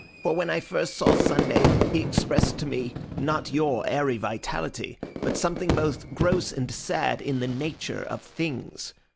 For when I first saw Sunday he expressed to me, not your airy vitality, but something both gross and sad in the Nature of Things.